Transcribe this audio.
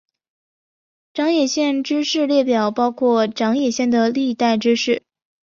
长野县知事列表包括长野县的历代知事。